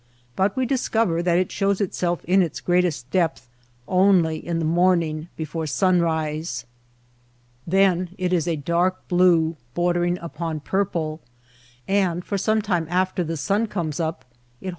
But we discover that it shows itself in its greatest depth only in the morning before sunrise. Then it is a dark blue, bordering upon purple ; and for some time after the sun comes up it holds a 95 Common place things of nature.